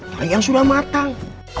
cari yang sudah matang